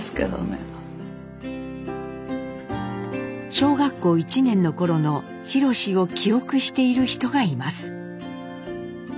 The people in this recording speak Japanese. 小学校１年の頃のひろしを記憶している人がいます。